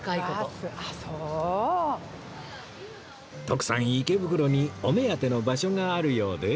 徳さん池袋にお目当ての場所があるようで